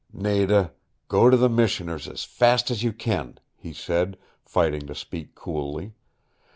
"Nada, go to the Missioner's as fast as you can," he said, fighting to speak coolly.